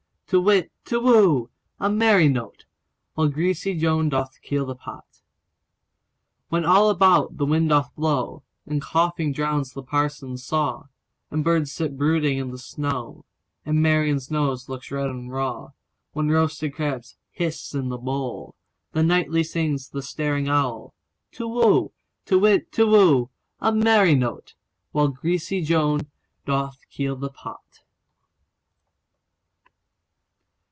To whit, Tu whoo! A merry note! While greasy Joan doth keel the pot. When all about the wind doth blow, And coughing drowns the parson's saw, And birds sit brooding in the snow, And Marian's nose looks red and raw; When roasted crabs hiss in the bowl—Then nightly sings the staring owlTu whoo! To whit, Tu whoo! A merry note! While greasy Joan doth keel the pot.